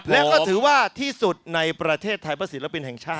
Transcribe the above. และก็ถือว่าที่สุดในประเทศไทยเพื่อศิลปินแห่งชาติ